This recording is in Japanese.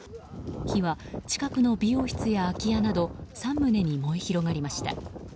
火は近くの美容室や空き家など３棟に燃え広がりました。